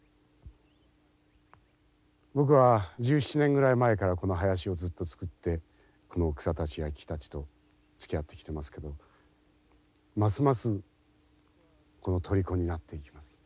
僕は１７年ぐらい前からこの林をずっと作ってこの草たちや木たちとつきあってきてますけどますますこのとりこになっていきます。